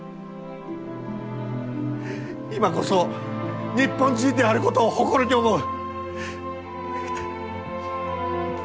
今こそ日本人であることを誇りに思う！